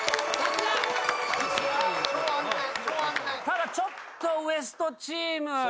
ただちょっとＷＥＳＴチーム。